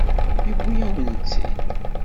Yewwi-yawen-tt-id.